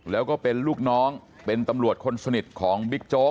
แล้วก็เป็นลูกน้องเป็นตำรวจคนสนิทของบิ๊กโจ๊ก